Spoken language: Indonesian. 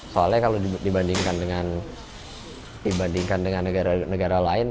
soalnya kalau dibandingkan dengan negara negara lain